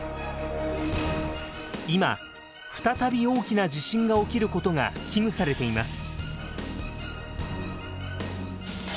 今再び大きな地震が起きることが危惧されています。